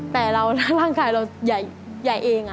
แต่ร่างกายเราใหญ่เอง